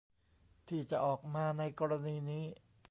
ที่จะออกมาในกรณีนี้